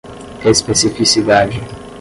especificidade